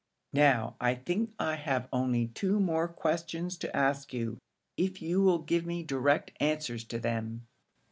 "Now I think I have only two more questions to ask you, if you will give me direct answers to them."